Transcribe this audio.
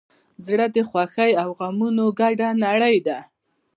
زړه د خوښیو او غمونو ګډه نړۍ ده.